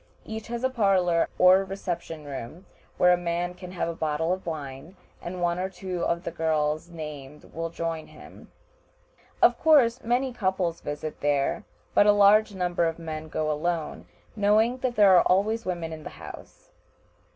Each has a parlor or reception room, where a man can have a bottle of wine, and one or two of the girls named will join him. Of course many couples visit there, but a large number of men go alone, knowing that there are always women in the house.